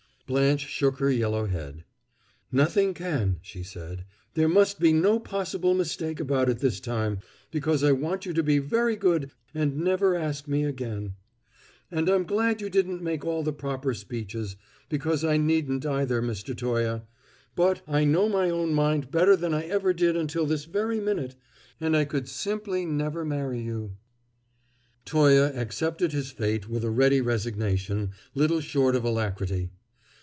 Blanche shook her yellow head. "Nothing can," she said. "There must be no possible mistake about it this time, because I want you to be very good and never ask me again. And I'm glad you didn't make all the proper speeches, because I needn't either, Mr. Toye! But I know my own mind better than I ever did until this very minute and I could simply never marry you!" Toye accepted his fate with a ready resignation, little short of alacrity.